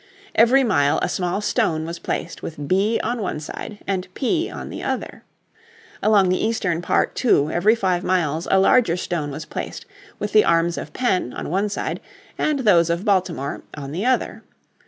Every mile a small stone was placed with B on one side and P on the other. Along the eastern part, too, every five miles a larger stone was placed with the arms of Penn on one side and those of Baltimore on the other.